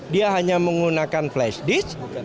dia hanya menggunakan flash disk